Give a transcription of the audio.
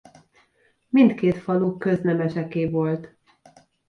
Mindkét falu köznemeseké volt.